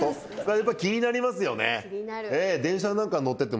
やっぱり気になりますよね。